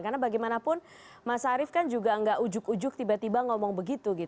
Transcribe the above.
karena bagaimanapun mas arief kan juga tidak ujuk ujuk tiba tiba ngomong begitu